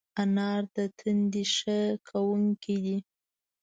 انار د تندي ښه کوونکی دی.